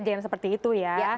jangan seperti itu ya